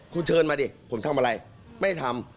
คุณเชิญมาดิผมทำอะไรไม่ทำ